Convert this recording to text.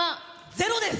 ゼロです。